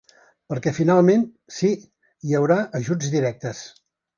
Perquè finalment, sí, hi haurà ajuts directes.